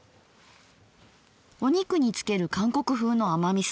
お肉に付ける韓国風の甘みそ。